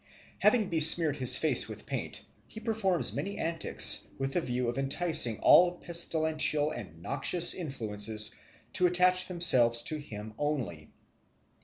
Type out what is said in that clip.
Having besmeared his face with paint, he performs many antics with the view of enticing all pestilential and noxious influences to attach themselves to him only.